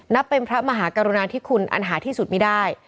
เป็นพระมหากรุณาธิคุณอันหาที่สุดไม่ได้